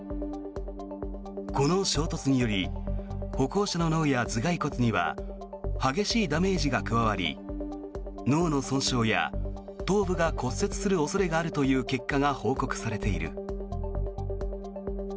この衝突により歩行者の脳や頭がい骨には激しいダメージが加わり脳の損傷や頭部が骨折する恐れがあるという結果が報告されている。